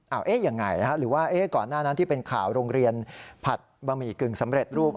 เอาเอ๊ะยังไงหรือว่าก่อนหน้านั้นที่เป็นข่าวโรงเรียนผัดบะหมี่กึ่งสำเร็จรูป